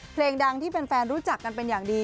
เพลงดังที่แฟนรู้จักกันเป็นอย่างดี